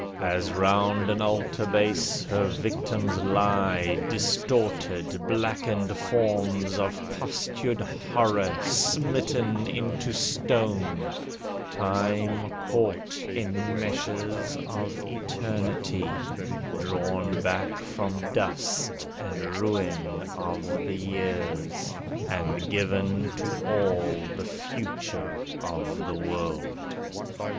As 'round an altar base Her victims lie, distorted, blackened forms Of postured horror smitten into stone, Time caught in meshes of Eternity Drawn back from dust and ruin of the years, And given to all the future of the world.